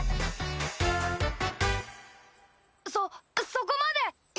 そそこまで！